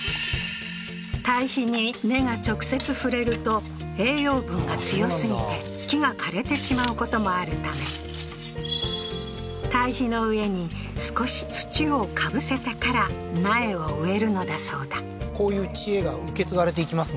堆肥に根が直接触れると栄養分が強過ぎて木が枯れてしまうこともあるため堆肥の上に少し土を被せてから苗を植えるのだそうだこういう知恵が受け継がれていきます